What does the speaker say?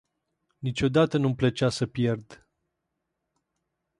Niciodată nu-mi plăcea să pierd.